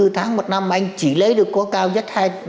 hai sáu mươi bốn tháng một năm mà anh chỉ lấy được có cao nhất hai tháng